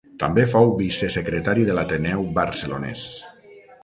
També fou vicesecretari de l'Ateneu Barcelonès.